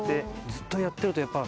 ずっとやってるとやっぱ。